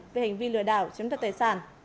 về hình vi lừa đảo chiếm đặt tài sản